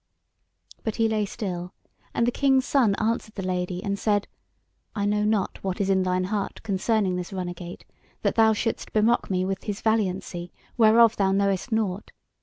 But he lay still, and the King's Son answered the Lady and said: "I know not what is in thine heart concerning this runagate, that thou shouldst bemock me with his valiancy, whereof thou knowest nought.